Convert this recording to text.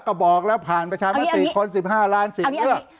ก็บอกแล้วผ่านประชามตรีคน๑๕ล้านสิน